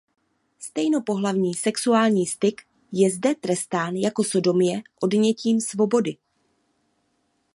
Stejnopohlavní sexuální styk je zde trestán jako sodomie odnětím svobody.